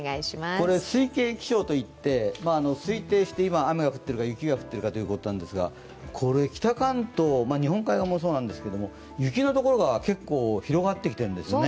これ推計気象といって推定して雨が降っているか、雪が降っているかということですが北関東、日本海側もそうなんですが、雪のところが結構広がってきているんですね。